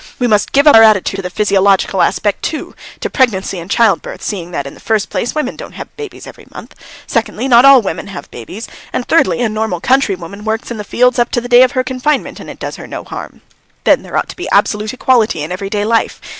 We must give up our attitude to the physiological aspect, too to pregnancy and childbirth, seeing that in the first place women don't have babies every month; secondly, not all women have babies; and, thirdly, a normal countrywoman works in the fields up to the day of her confinement and it does her no harm. Then there ought to be absolute equality in everyday life.